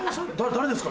誰ですか？